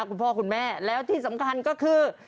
คุณพ่อคุณแม่แล้วที่สำคัญก็คือ